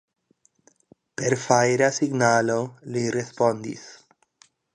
Per fajra signalo, li respondis.